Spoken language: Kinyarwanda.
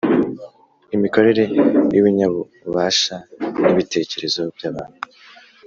imikorere y’ibinyabubasha n’ibitekerezo by’abantu,